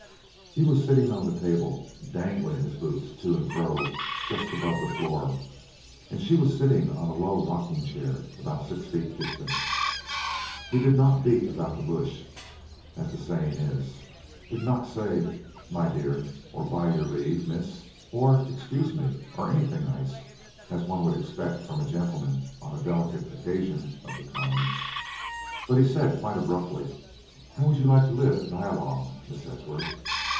He was sitting on the table, dangling his boots to and fro just above the floor, and she was sitting on a low rocking chair about six feet distant. He did not beat about the bush, as the saying is; did not say, 'My dear,' or 'by your leave, Miss,' or 'excuse me,' or anything nice, as one would expect from a gentleman on a delicate occasion of the kind, but he said, quite abruptly: "'How would you like to live at Nyalong, Miss Edgeworth?'